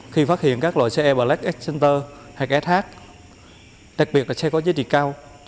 khi phát hiện các loại xe black excenter hay sh đặc biệt là xe có giới trị cao